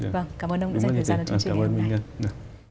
vâng cảm ơn ông dành thời gian cho chương trình ngày hôm nay